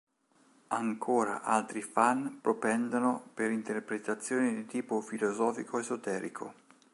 Ancora altri fan propendono per interpretazioni di tipo filosofico-esoterico.